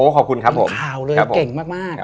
ขอบคุณครับผม